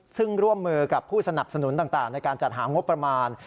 ซึ่งร่วมมือกับผู้สนับสนุนต่างในการจัดหางบประมาณ